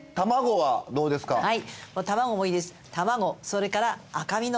はい。